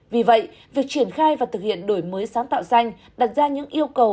vì vậy việc triển khai và thực hiện đổi mới sáng tạo xanh đặt ra những yêu cầu